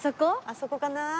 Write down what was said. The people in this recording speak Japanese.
あそこかな？